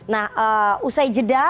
nah usai jeda